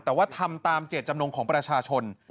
แต่ว่าทำตามเจตจำนงของประชาชน